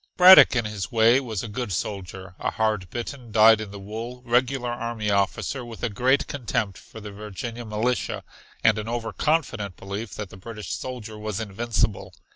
Braddock in his way was a good soldier, a hard bitten, dyed in the wool, regular army officer with a great contempt for the Virginia militia, and an over confident belief that the British soldier was invincible.